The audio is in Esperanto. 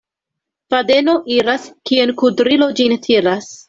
Fadeno iras, kien kudrilo ĝin tiras.